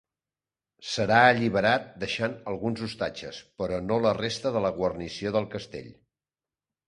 Serà alliberat deixant alguns ostatges, però no la resta de la guarnició del castell.